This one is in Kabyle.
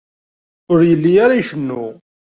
Ur yelli ara icennu.